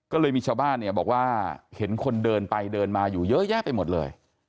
ก็เลยมีชาวบ้านเนี่ยบอกว่าเห็นคนเดินไปเดินมาอยู่เยอะแยะไปหมดเลย